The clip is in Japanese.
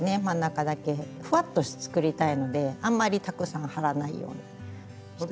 フワッと作りたいのであんまりたくさん貼らないようにして下さい。